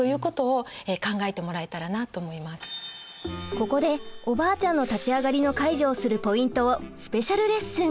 ここでおばあちゃんの立ち上がりの介助をするポイントをスペシャルレッスン！